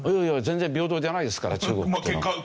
全然平等じゃないですから中国っていうのは。